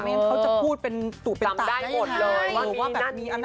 เขาจะพูดเป็นตุ๋วเป็นตาได้เลย